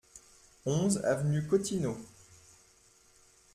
onze avenue Cottineau